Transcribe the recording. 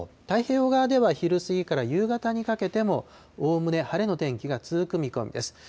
太平洋側では、昼過ぎから夕方にかけてもおおむね晴れの天気が続く見込みです。